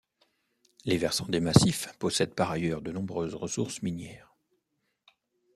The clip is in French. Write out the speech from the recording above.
Les versants des massifs possèdent par ailleurs de nombreuses ressources minières.